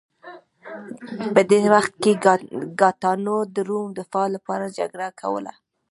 په دې وخت کې ګاټانو د روم دفاع لپاره جګړه کوله